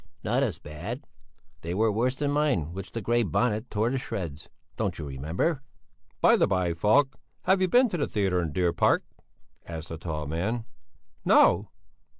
"Not as bad? They were worse than mine which the Grey Bonnet tore to shreds. Don't you remember?" "By the by, Falk, have you been to the theatre in the Deer Park?" asked the tall man. "No!"